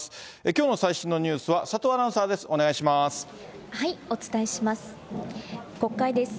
きょうの最新のニュースは佐藤アナウンサーです、お伝えします。